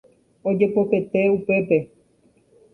Ojepopete upépe.